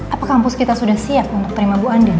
apa kampus kita sudah siap untuk terima bu anda